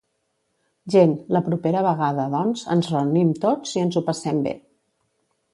Gent, la propera vegada, doncs, ens reunim tots i ens ho passem bé.